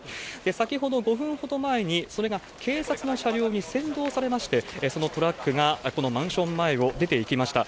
先ほど５分ほど前に、それが警察の車両に先導されまして、そのトラックが、このマンション前を出ていきました。